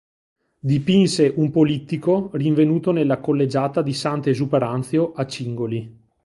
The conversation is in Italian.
Dipinse un polittico rinvenuto nella Collegiata di Sant'Esuperanzio a Cingoli.